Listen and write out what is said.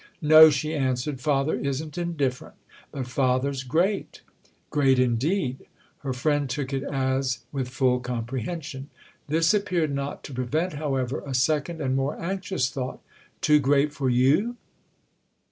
"No," she answered—"father isn't indifferent. But father's 'great'" "Great indeed!"—her friend took it as with full comprehension. This appeared not to prevent, however, a second and more anxious thought. "Too great for you?"